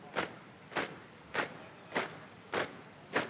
tiga langkah ke depan